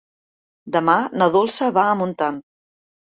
Demà na Dolça va a Montant.